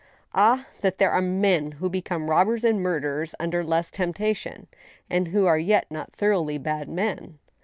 Ah ! there are men who become robbers and murderers under less temptation — and who are yet not thoroughly bad men."